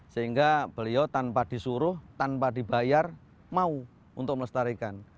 sehingga beliau tanpa disuruh tanpa dibayar mau untuk melestarikan